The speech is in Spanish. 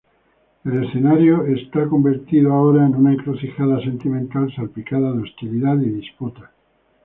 El escenario es convertido ahora en una encrucijada sentimental salpicada de hostilidad y disputas.